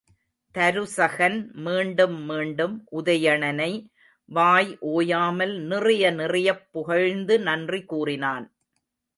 தருசகன் மீண்டும் மீண்டும் உதயணனை வாய் ஓயாமல் நிறைய நிறையப் புகழ்ந்து நன்றி கூறினான்.